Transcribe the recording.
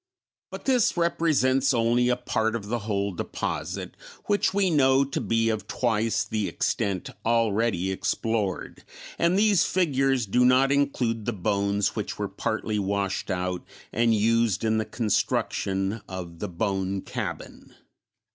But this represents only a part of the whole deposit, which we know to be of twice the extent already explored, and these figures do not include the bones which were partly washed out and used in the construction of the Bone Cabin.